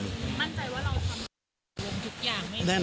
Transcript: มั่นใจว่าเราคำสั่งทุกอย่างไหมครับ